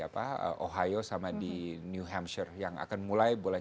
proses yang lebih mudah